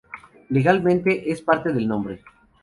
Legalmente, es parte del nombre.